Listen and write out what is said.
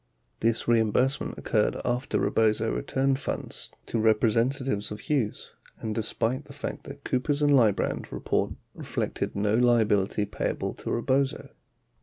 This reimbursement occurred after Rebozo returned funds to representatives of Hughes and despite the fact that Coopers & Lybrand report reflected no liability payable to Rebozo.